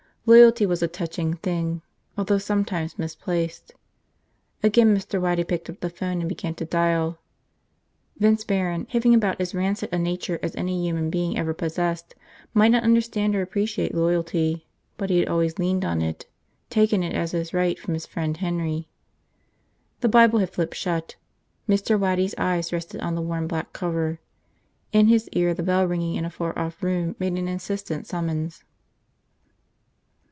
Loyalty was a touching thing. Although sometimes misplaced. Again Mr. Waddy picked up the phone and began to dial. Vince Barron, having about as rancid a nature as any human being ever possessed, might not understand or appreciate loyalty; but he had always leaned on it, taken it as his right from his friend Henry. The Bible had flipped shut. Mr. Waddy's eyes rested on the worn black cover. In his ear the bell ringing in a far off room made an insistent summons.